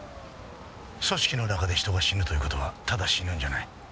組織の中で人が死ぬという事はただ死ぬんじゃない。